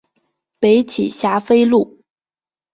北起霞飞路。